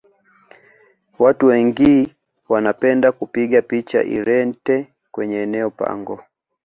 watu wengi wanapenda kupiga picha irente kwenye eneo pango